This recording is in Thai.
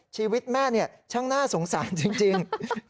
ชีวิตแม่ช่างน่าสงสารจริง